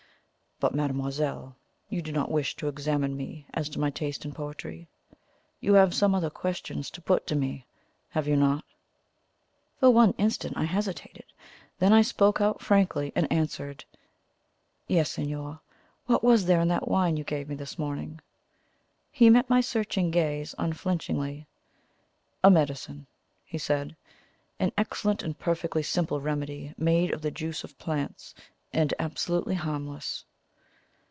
But, mademoiselle, you do not wish to examine me as to my taste in poetry. You have some other questions to put to me, have you not?" For one instant I hesitated. Then I spoke out frankly, and answered: "Yes, signor. What was there in that wine you gave me this morning?" He met my searching gaze unflinchingly. "A medicine," he said. "An excellent and perfectly simple remedy made of the juice of plants, and absolutely harmless."